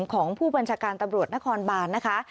ของผู้บัญชาการตำรวจนครบานนะคะ